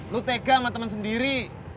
lu tega sama teman sendiri